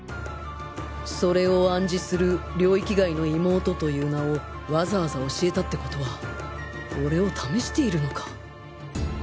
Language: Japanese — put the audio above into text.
それを暗示する「領域外の妹」という名をわざわざ教えたってことは俺を試しているのか？